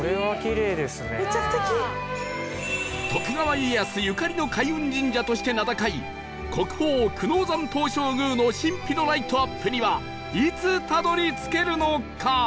徳川家康ゆかりの開運神社として名高い国宝久能山東照宮の神秘のライトアップにはいつたどり着けるのか？